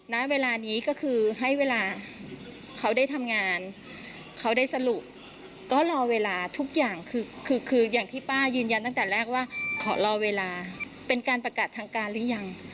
ณเวลานี้ก็คือให้เวลาเขาได้ทำงานเขาได้สรุปก็รอเวลาทุกอย่างคือคืออย่างที่ป้ายืนยันตั้งแต่แรกว่าขอรอเวลาเป็นการประกาศทางการหรือยัง